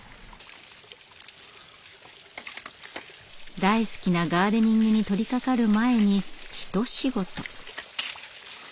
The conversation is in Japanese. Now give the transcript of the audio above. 大好きなガーデニングに取りかかる前に一仕事。